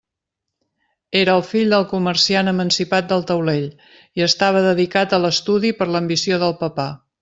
Era el fill del comerciant emancipat del taulell, i estava dedicat a l'estudi per l'ambició del papà.